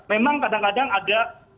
memang kadang kadang ada